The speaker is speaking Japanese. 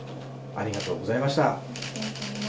ありがとうございます。